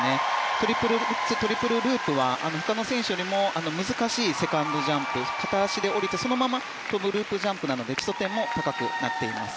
トリプルルッツトリプルループは他の選手より難しいセカンドジャンプ片足で降りて、そのまま跳ぶループジャンプなので基礎点も高くなっています。